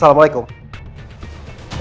waalaikumsalam warahmatullahi wabarakatuh